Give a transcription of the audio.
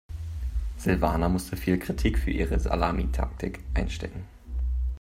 Silvana musste viel Kritik für ihre Salamitaktik einstecken.